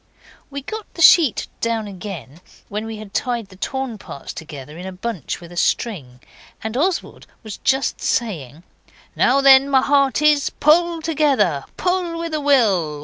We got the sheet down again when we had tied the torn parts together in a bunch with string, and Oswald was just saying 'Now then, my hearties, pull together, pull with a will!